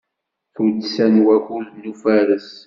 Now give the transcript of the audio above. Tuddsa n wakud n ufares.